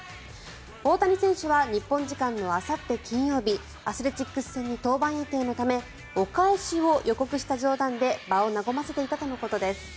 大谷選手は日本時間のあさって金曜日アスレチックス戦に登板予定のためお返しを予告した冗談で場を和ませていたということです。